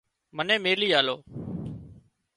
منين ميلي آلو